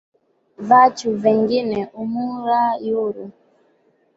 Vachu vengine humula yuru